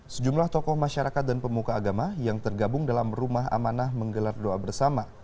sejumlah tokoh masyarakat dan pemuka agama yang tergabung dalam rumah amanah menggelar doa bersama